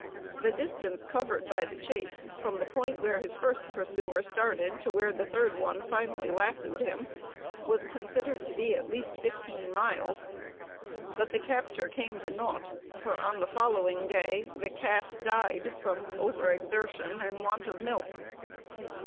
The distance covered by the chase, from the point where his first pursuer started to where the third one finally lassoed him, was considered to be at least 15 miles. But the capture came to naught, for on the following day the calf died from overexertion and want of milk.